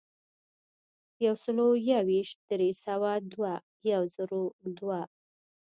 یو سلو یو ویشت ، درې سوه دوه ، یو زرو دوه.